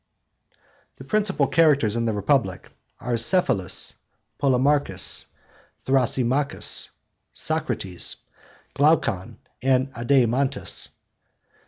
The principal characters in the Republic are Cephalus, Polemarchus, Thrasymachus, Socrates, Glaucon, and Adeimantus.